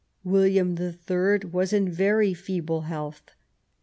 William the Third was in very feeble health.